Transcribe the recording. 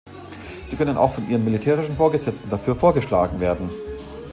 Sie können auch von ihren militärischen Vorgesetzten dafür vorgeschlagen werden.